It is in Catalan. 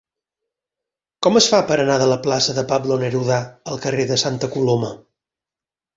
Com es fa per anar de la plaça de Pablo Neruda al carrer de Santa Coloma?